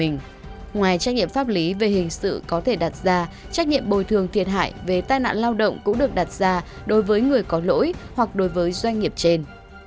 ngoài trách nhiệm pháp lý về hình sự có thể đặt ra trách nhiệm bồi thường thiệt hại về tai nạn lao động cũng được đặt ra đối với người có lỗi hoặc đối với doanh nghiệp trên